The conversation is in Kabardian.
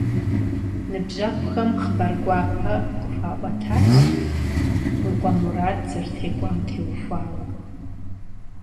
Nıbjeğuxem xhıbar guape khıxua'uetaş yi khue Murat zerıtêk'uam têuxuaue.